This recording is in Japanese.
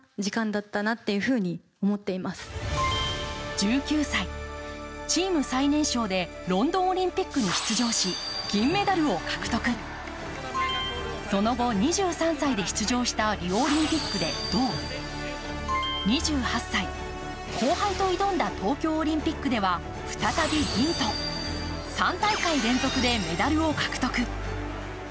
１９歳、チーム最年少でロンドンオリンピックに出場し銀メダルを獲得、その後、２３歳で出場したリオオリンピックで銅、２８歳、後輩と挑んだ東京オリンピックでは再び銀と３大会連続でメダルを獲得。